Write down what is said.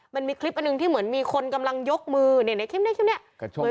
มันมีคลิปกันดึงที่เหมือนมีคนกำลังยกมือนี่ในแถมคิดดีแหละไหม